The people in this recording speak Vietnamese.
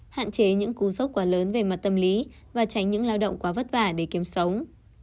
hạn chế những cú sốc quá lớn về mặt tâm lý và tránh những lao động quá vất vả để kiếm sống